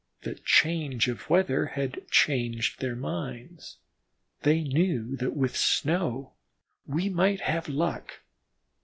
The change of weather had changed their minds; they knew that with snow we might have luck.